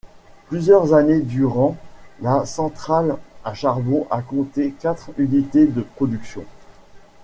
Plusieurs années durant, la centrale à charbon a compté quatre unités de production.